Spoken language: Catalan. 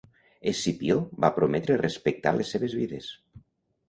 Escipió va prometre respectar les seves vides.